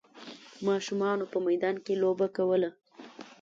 ماشومانو په میدان کې لوبه کوله.